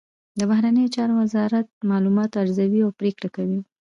د بهرنیو چارو وزارت معلومات ارزوي او پریکړه کوي